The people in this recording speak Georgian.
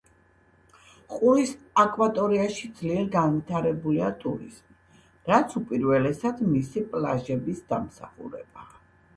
ყურის აკვატორიაში ძლიერ განვითარებულია ტურიზმი, რაც უპირველესად მისი პლაჟების დამსახურებაა.